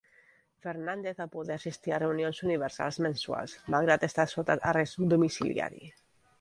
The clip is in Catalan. Fernandez va poder assistir a reunions universals mensuals malgrat estar sota arrest domiciliari.